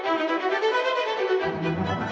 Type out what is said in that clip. ตอนหลังเขาก็โทษสานผมก็ก็ให้